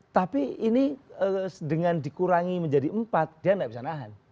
tapi ini dengan dikurangi menjadi empat dia tidak bisa nahan